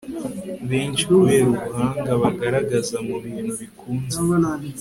benshi kubera ubuhanga bagaragaza mu bintu bikunze